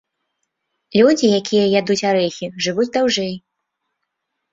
Людзі, якія ядуць арэхі, жывуць даўжэй.